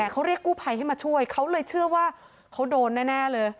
เขาเรียกกู้ภัยให้มาช่วยเขาเลยเชื่อว่าเขาโดนแน่เลย